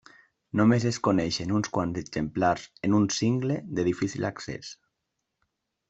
Només es coneixen uns quants exemplars en un cingle de difícil accés.